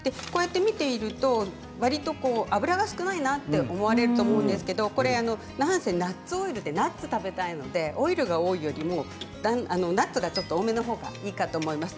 見ていると、わりと油が少ないなと思われると思うんですがナッツオイルでナッツを食べたいので、オイルが多いよりナッツが多めのほうがいいかと思います。